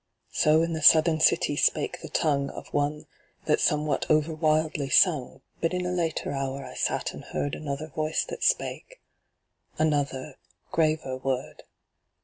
So in the southern city spake the tongue Of one that somewhat overwildly sung, / But in a later hour I sat and heard Another voice that spake another graver word.